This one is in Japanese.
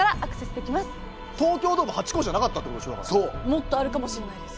もっとあるかもしれないです。